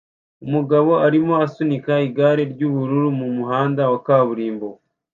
Umugabo arimo asunika igare ry'ubururu mu muhanda wa kaburimbo